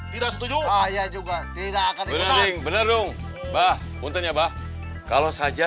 tidak setuju saya juga tidak akan berhenti bener dong bahkan buntanya bah kalau saja